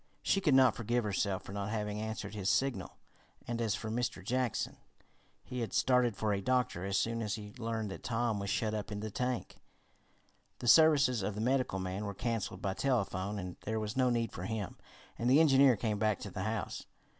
She could not forgive herself for not having answered his signal, and as for Mr. Jackson, he had started for a doctor as soon as he learned that Tom was shut up in the tank. The services of the medical man were canceled by telephone, as there was no need for him, and the engineer came back to the house.